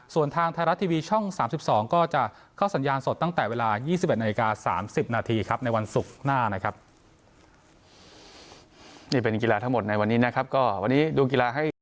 ส่วนทางไทยรัฐทีวีช่อง๓๒ก็จะเข้าสัญญาณสดตั้งแต่เวลา๒๑นาฬิกา๓๐นาทีครับในวันศุกร์หน้านะครับ